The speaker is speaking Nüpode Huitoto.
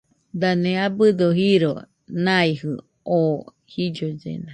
Dane abɨdo jiro naijɨ oo jillollena.